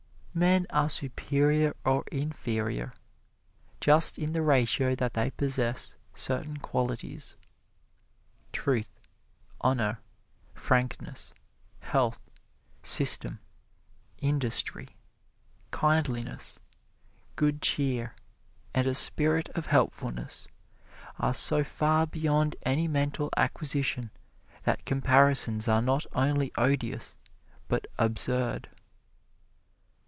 Men are superior or inferior just in the ratio that they possess certain qualities. Truth, honor, frankness, health, system, industry, kindliness, good cheer and a spirit of helpfulness are so far beyond any mental acquisition that comparisons are not only odious, but absurd.